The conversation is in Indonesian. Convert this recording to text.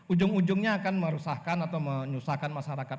ujung ujungnya akan merusakkan atau menyusahkan masyarakat